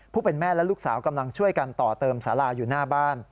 เป็นแม่และลูกสาวกำลังช่วยกันต่อเติมสาราอยู่หน้าบ้าน